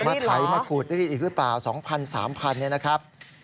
มาไถมาขูดได้รึเปล่า๒๐๐๐๓๐๐๐บาทเนี่ยนะครับ